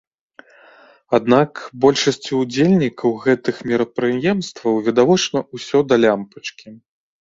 Аднак большасці ўдзельнікаў гэтых мерапрыемстваў відавочна ўсё да лямпачкі.